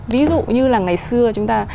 ví dụ như là ngày xưa chúng ta